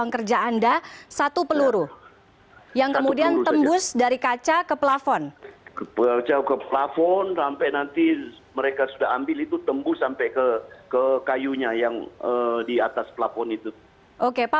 kedua anggota dpr tersebut juga tidak mengalami luka